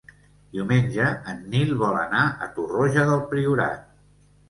Diumenge en Nil vol anar a Torroja del Priorat.